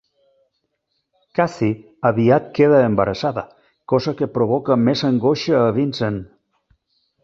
Cathy aviat queda embarassada, cosa que provoca més angoixa a Vincent.